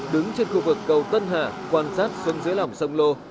đứng trên khu vực cầu tân hà quan sát xuống dưới lòng sông lô